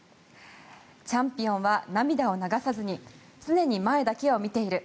チャンピオンは涙を流さずに常に前だけを見ている。